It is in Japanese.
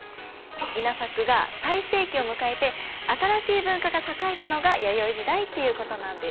稲作が最盛期を迎えて新しい文化が栄えたのが弥生時代っていうことなんです。